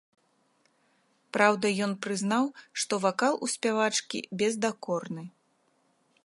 Праўда, ён прызнаў, што вакал у спявачкі бездакорны.